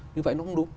như vậy nó cũng đúng